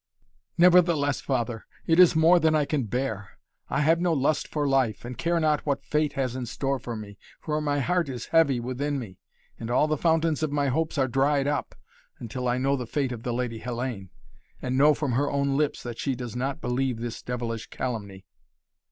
"Nevertheless, Father, it is more than I can bear. I have no lust for life, and care not what fate has in store for me, for my heart is heavy within me, and all the fountains of my hopes are dried up, until I know the fate of the Lady Hellayne and know from her own lips that she does not believe this devilish calumny."